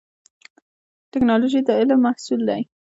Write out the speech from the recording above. ټکنالوژي د علم محصول دی